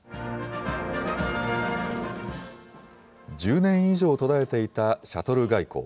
１０年以上途絶えていたシャトル外交。